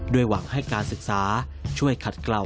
โดยหวังให้การศึกษาช่วยขัดเกลา